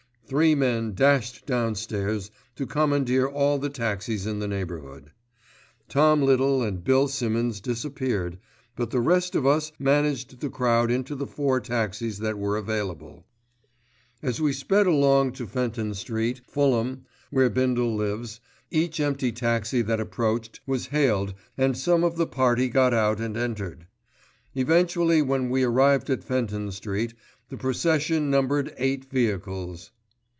Three men dashed downstairs to commandeer all the taxis in the neighbourhood. Tom Little and Bill Simmonds disappeared; but the rest of us managed the crowd into the four taxis that were available. As we sped along to Fenton Street, Fulham, where Bindle lives, each empty taxi that approached was hailed and some of the party got out and entered. Eventually when we arrived at Fenton Street the procession numbered eight vehicles.